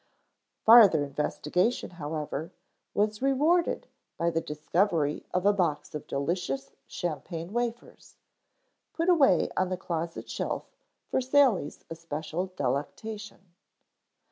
Farther investigation, however, was rewarded by the discovery of a box of delicious champagne wafers, put away on the closet shelf for Sally's especial delectation.